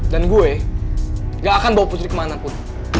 dan gue gak akan bawa putri kemana pun